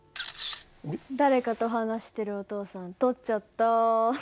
誰かと話してるお父さん撮っちゃった。